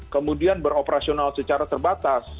kemudian beroperasional secara terbatas